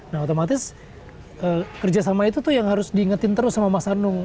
nah otomatis kerjasama itu tuh yang harus diingetin terus sama mas anung